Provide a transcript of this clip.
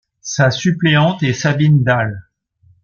Sa suppléante est Sabine Dalle.